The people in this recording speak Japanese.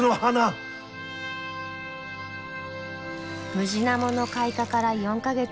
ムジナモの開花から４か月。